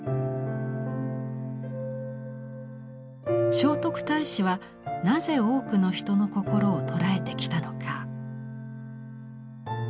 聖徳太子はなぜ多くの人の心を捉えてきたのか。